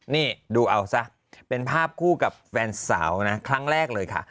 นี่ดูเอาซะเป็นภาพคู่กับแฟนสาวนะครั้งแรกเลยค่ะ